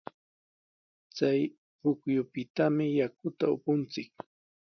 Chay pukyupitami yakuta upunchik.